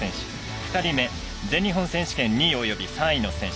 ２人目全日本選手権２位および３位の選手。